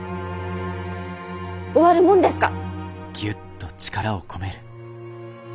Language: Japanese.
終わるもんですか！